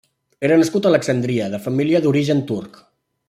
Era nascut a Alexandria de família d'origen turc.